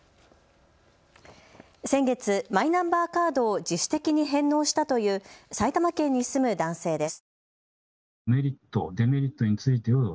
先月、マイナンバーカードを自主的に返納したという埼玉県に住む男性です。